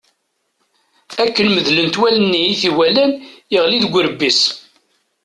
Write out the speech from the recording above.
Akken medlent wallen-nni i t-iwalan, yeɣli deg urebbi-s.